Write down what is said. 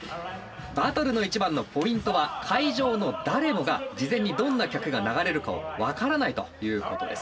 バトルの一番のポイントは会場の誰もが事前にどんな曲が流れるか分からないということです。